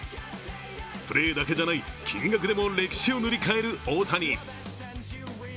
プレーだけじゃない、金額でも歴史を塗り替える大谷。